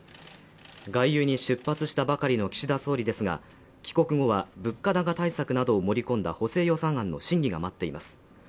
外遊に出発したばかりの岸田総理ですが帰国後は物価高対策などを盛り込んだ補正予算案の審議が待っています